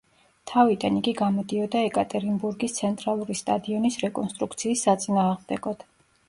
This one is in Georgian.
თავიდან, იგი გამოდიოდა ეკატერინბურგის ცენტრალური სტადიონის რეკონსტრუქციის საწინააღმდეგოდ.